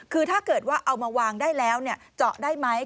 คือถ้าเกิดว่าเอามาวางได้แล้วเจาะได้ไหม